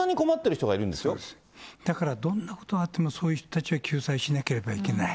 だって、こんなだからどんなことがあっても、そういう人たちを救済しなければいけない。